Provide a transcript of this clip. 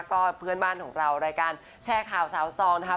ก็เพื่อนบ้านของเรารายการแชร์ข่าวสาวซองนะครับ